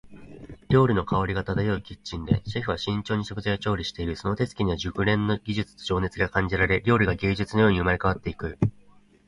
料理の香りが漂うキッチンで、シェフは慎重に食材を調理している。その手つきには熟練の技術と情熱が感じられ、料理が芸術のように生まれ変わっていく。